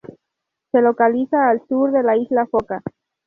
Se localiza al sur de la isla Foca.